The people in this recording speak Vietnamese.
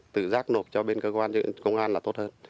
tự rác nộp cho bên cơ quan cho công an là tốt hơn